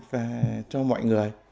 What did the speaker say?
và cho mọi người